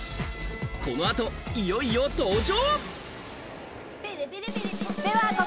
この後、いよいよ登場。